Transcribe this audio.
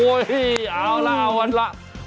โอ้โหเอาแล้วเอาแล้ว